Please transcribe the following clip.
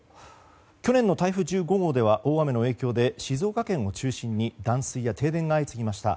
去年の台風１５号では大雨の影響で静岡県を中心に断水や停電が相次ぎました。